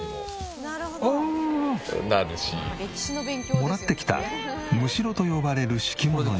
もらってきたむしろと呼ばれる敷物に。